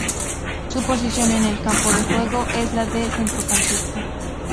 Su posición en el campo de juego es la de centrocampista.